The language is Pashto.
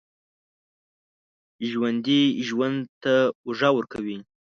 ژوندي ژوند ته اوږه ورکوي